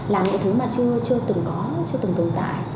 làm những thứ mà chưa từng có chưa từng tưởng tại